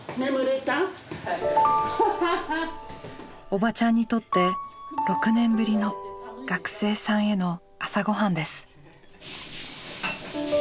おばちゃんにとって６年ぶりの学生さんへの朝ごはんです。